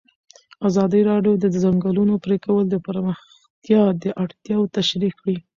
ازادي راډیو د د ځنګلونو پرېکول د پراختیا اړتیاوې تشریح کړي.